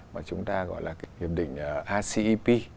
mà chúng ta gọi là hiệp định rcep